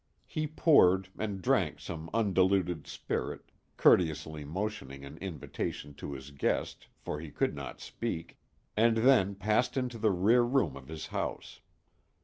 He poured and drank some undiluted spirit courteously motioning an invitation to his guest, for he could not speak and then passed into the rear room of his house.